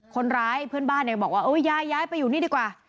คนร้ายเพื่อนบ้านแกบอกว่ายายย้ายไปอยู่นี่ดีกว่า